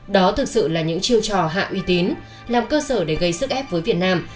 đó thực sự là những chiêu trò hạ uy tín làm cơ sở để gây sức ép với việt nam